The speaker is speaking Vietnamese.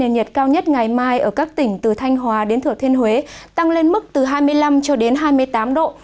nhiệt cao nhất ngày mai ở các tỉnh từ thanh hóa đến thừa thiên huế tăng lên mức từ hai mươi năm cho đến hai mươi tám độ